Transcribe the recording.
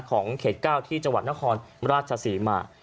ของเขต๙ที่จังหวัดนครราชศรีมา